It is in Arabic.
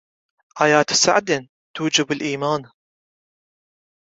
آيات سعد توجب الإيمانا